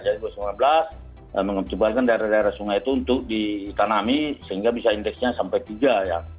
jadi dua ribu sembilan belas mencoba daerah daerah sungai itu untuk ditanami sehingga bisa indeksnya sampai tiga ya